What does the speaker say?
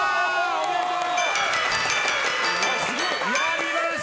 おめでとうございます！